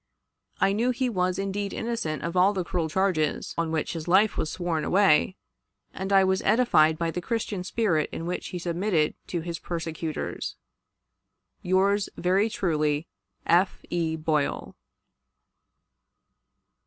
I know he was indeed innocent of all the cruel charges on which his life was sworn away, and I was edified by the Christian spirit in which he submitted to his persecutors. Yours very truly, "F. E. BOYLE."